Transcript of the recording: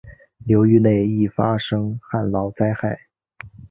流域内易发生旱涝灾害。